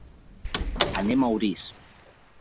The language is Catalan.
Anem a Orís.